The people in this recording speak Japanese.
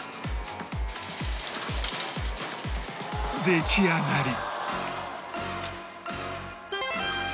出来上がり